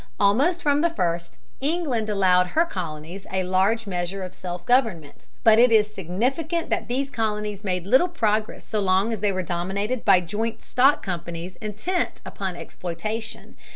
Almost from the first, England allowed her colonies a large measure of self government, but it is significant that these colonies made little progress so long as they were dominated by joint stock companies intent upon exploitation.